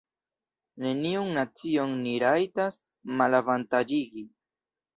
Neniun nacion ni rajtas malavantaĝigi.